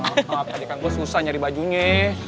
adekan gua susah nyari bajunya